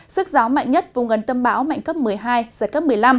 sức gió mạnh nhất vùng gần tâm bão mạnh cấp một mươi hai giật cấp một mươi năm